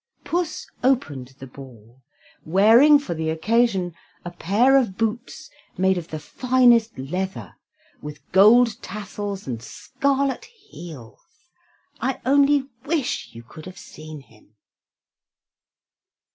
Puss opened the ball, wearing for the occasion a pair of boots made of the finest leather, with gold tassels and scarlet heels. I only wish you could have seen him.